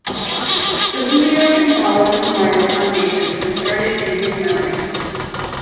The Julio Gonzalez Memorial Foundation was started in his memory.